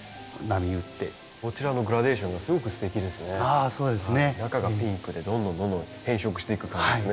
あそうですね。中がピンクでどんどんどんどん変色していく感じですね。